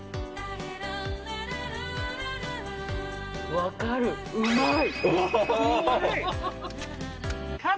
分かる、うまい！